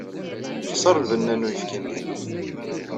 Texṣer lbenna n uyefki-nni.